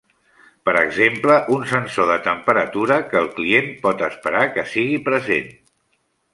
Per exemple, un sensor de temperatura, que el client pot esperar que sigui present.